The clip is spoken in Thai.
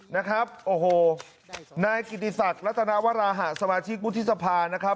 นะครับโอ้โหนายกิติศักดิ์รัฐนาวราหะสมาชิกวุฒิสภานะครับ